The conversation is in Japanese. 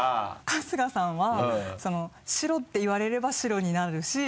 春日さんは「白」って言われれば白になるし。